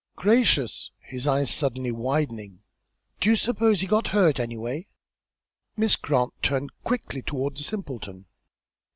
Gracious!" his eyes suddenly widening, "Dy'u s'pose he's got hurt, anyway?" Miss Grant turned quickly toward the simpleton.